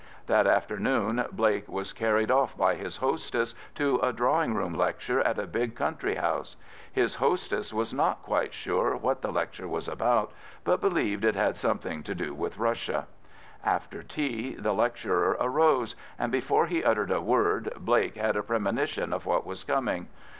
That afternoon Blake was carried off by his hostess to a drawing room lecture at a big country house. His hostess was not quite sure what the lecture was about, but believed it had something to do with Russia. After tea the lecturer arose, and before he uttered a word, Blake had a premonition of what was coming.